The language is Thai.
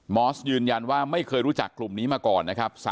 อสยืนยันว่าไม่เคยรู้จักกลุ่มนี้มาก่อนนะครับ